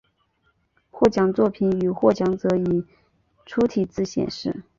获奖作品与获奖者以粗体字显示。